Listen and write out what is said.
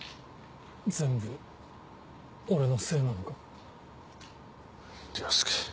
全部俺のせいなのか？